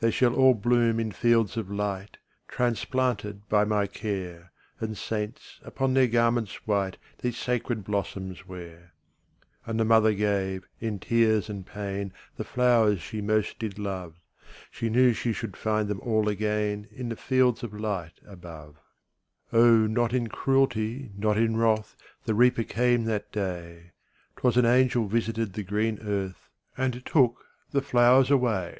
``They shall all bloom in fields of light, Transplanted by my care, And saints, upon their garments white, These sacred blossoms wear.'' And the mother gave, in tears and pain, The flowers she most did love; She knew she should find them all again In the fields of light above. O, not in cruelty, not in wrath, The Reaper came that day; 'Twas an angel visited the green earth, And took the flowers away.